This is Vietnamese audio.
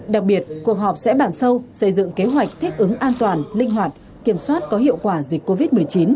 đặc biệt cuộc họp sẽ bàn sâu xây dựng kế hoạch thích ứng an toàn linh hoạt kiểm soát có hiệu quả dịch covid một mươi chín